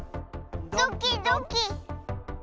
ドキドキ。